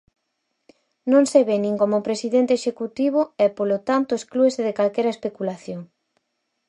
Non se ve nin como presidente executivo e, polo tanto, exclúese de calquera especulación.